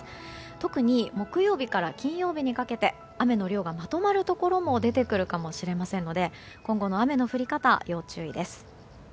特に木曜日から金曜日にかけて雨の量がまとまるところも出てくるかもしれませんので今後の雨の降り方に要注意です。